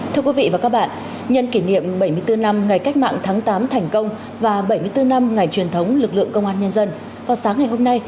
thưa quý vị và các bạn nhân kỷ niệm bảy mươi bốn năm ngày cách mạng tháng tám thành công và bảy mươi bốn năm ngày truyền thống lực lượng công an nhân dân vào sáng ngày hôm nay